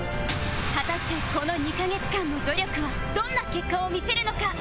果たしてこの２カ月間の努力はどんな結果を見せるのか？